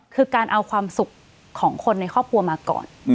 คือการเอาความสุขของคนในครอบครัวมาก่อน